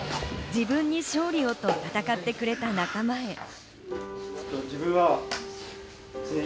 自分に勝利をと戦ってくれた仲間へ。